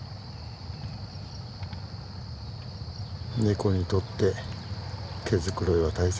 ネコにとって毛繕いは大切。